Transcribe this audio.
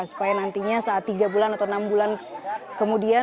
supaya nantinya saat tiga bulan atau enam bulan kemudian